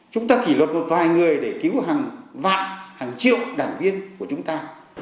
chúng ta kỷ luật một vài người để cứu hàng vạn hàng triệu đảng viên của chúng ta